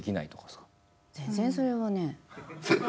全然それはね。